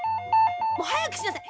もうはやくしなさい。